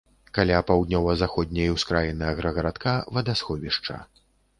Каля паўднёва-заходняй ускраіны аграгарадка вадасховішча.